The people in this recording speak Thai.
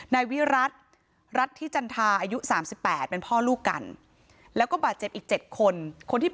นายวิรัติรัฐที่จันทาอายุ๓๘เป็นพ่อลูกกัน